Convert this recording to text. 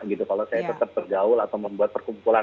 kalau saya tetap bergaul atau membuat perkumpulan